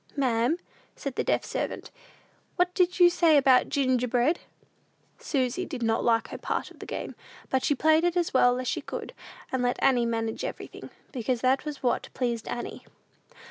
"Ma'am?" said the deaf servant; "what did you say about ginger bread?" Susy did not like her part of the game; but she played it as well as she could, and let Annie manage everything, because that was what pleased Annie.